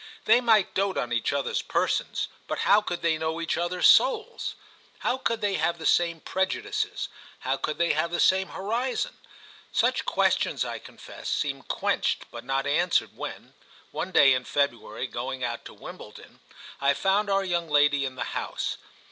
They might dote on each other's persons, but how could they know each other's souls? How could they have the same prejudices, how could they have the same horizon? Such questions, I confess, seemed quenched but not answered when, one day in February, going out to Wimbledon, I found our young lady in the house.